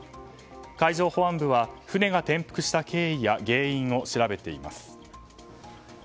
海上保安部は船が転覆した経緯や原因を調べています。